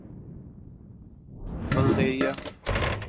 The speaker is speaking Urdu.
بلغاریہ